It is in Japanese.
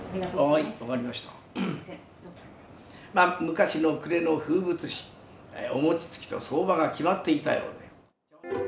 昔の暮れの風物詩、お餅つきと相場が決まっていたようで。